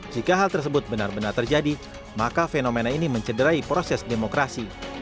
jika hal tersebut benar benar terjadi maka fenomena ini mencederai proses demokrasi